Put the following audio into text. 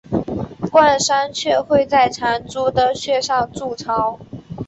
冠山雀会在残株的穴上筑巢。